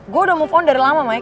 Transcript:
gue udah move on dari lama mai